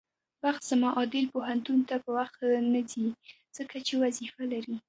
بخت زمان عادل پوهنتون ته په وخت نځي، ځکه چې وظيفه لري.